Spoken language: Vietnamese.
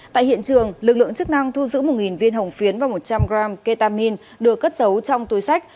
tại hiện trường lực lượng chức năng thu giữ một viên hồng phiến và một trăm linh g ketamine được cất giấu trong túi sách